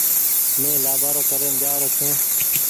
مين لآبآرو ڪرين جآرو ڇون۔